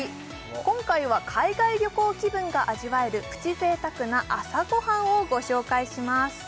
今回は海外旅行気分が味わえるプチ贅沢な朝ご飯をご紹介します